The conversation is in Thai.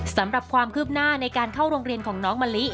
สำหรับความคืบหน้าในการเข้าโรงเรียนของน้องมะลิ